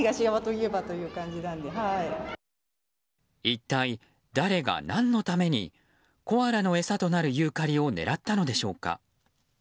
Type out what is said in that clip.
一体、誰が何のためにコアラの餌となるユーカリを狙ったのでしょうか。